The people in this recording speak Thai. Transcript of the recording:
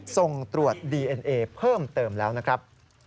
ส่งตรวจดีเอ็นเอเพิ่มเติมแล้วนะครับ